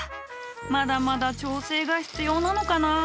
まだまだ調整が必要なのかなぁ。